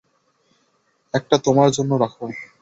একটা তোমার জন্য রাখো।